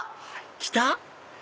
来た？